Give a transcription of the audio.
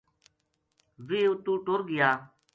ویہ اتو ٹر گیا